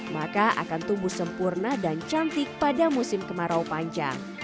maka akan tumbuh sempurna dan cantik pada musim kemarau panjang